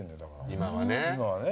今はね。